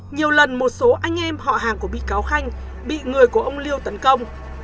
nhiều lần một số anh em họ hàng của bị cáo khanh bị người của ông liêu tấn công